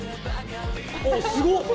おっすごっ！